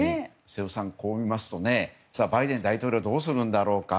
瀬尾さん、こう見ますとバイデン大統領どうするんだろうか。